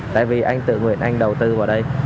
tại vì anh tự nguyện anh đầu tư vào đây